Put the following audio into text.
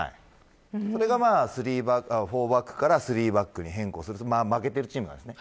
それが４バックから３バックに変更するということです。